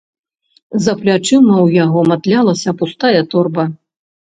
За плячыма ў яго матлялася пустая торба.